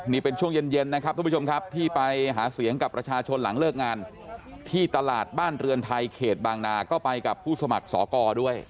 นี่เป็นช่วงเย็นนะครับทุกผู้ชมครับที่ไปหาเสียงกับประชาชนหลังเลิกงานที่ตลาดบ้านเรือนไทยเขตบางนาก็ไปกับผู้สมัครสอกรด้วย